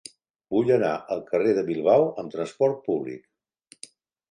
Vull anar al carrer de Bilbao amb trasport públic.